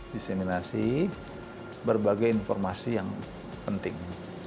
diseminasi berbagai informasi yang penting